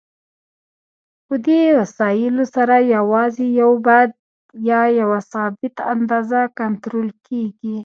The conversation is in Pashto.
په دې وسایلو سره یوازې یو بعد یا یوه ثابته اندازه کنټرول کېږي.